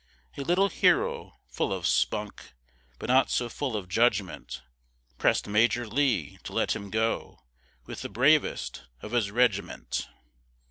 A little hero, full of spunk, But not so full of judgment, Press'd Major Lee to let him go, With the bravest of his reg'ment.